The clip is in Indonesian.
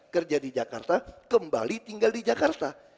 kerja di jakarta kembali tinggal di jakarta